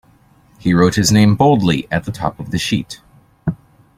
He wrote his name boldly at the top of the sheet.